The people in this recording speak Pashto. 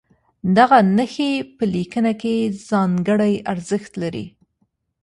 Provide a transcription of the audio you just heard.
دغه نښې په لیکنه کې ځانګړی ارزښت لري.